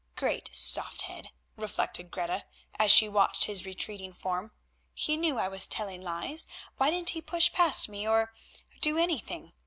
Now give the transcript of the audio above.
"Great soft head," reflected Greta, as she watched his retreating form, "he knew I was telling lies, why didn't he push past me, or—do anything.